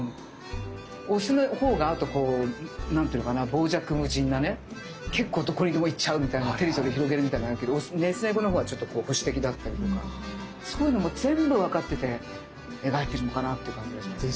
オスのほうがあとこう何て言うのかな傍若無人なね結構どこにでも行っちゃうみたいなテリトリー広げるみたいになるけどメス猫のほうはちょっと保守的だったりとかそういうのも全部分かってて描いてるのかなっていう感じがします。